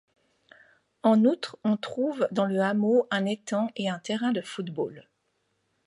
En outre, on trouve dans le hameau un étang et un terrain de football.